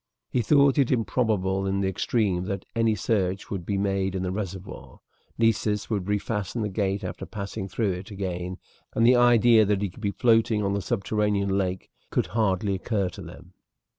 He thought it improbable in the extreme that any search would be made in the reservoir. Nessus would refasten the gate after passing through it again, and the idea that he could be floating on the subterranean lake could hardly occur to them.